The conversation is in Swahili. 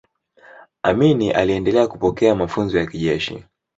amini aliendelea kupokea mafunzo ya kijeshi